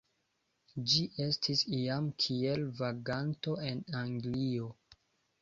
Ĝi estis iam kiel vaganto en Anglio.